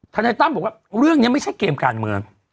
นายตั้มบอกว่าเรื่องนี้ไม่ใช่เกมการเมือง